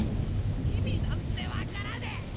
意味なんて分からねえ！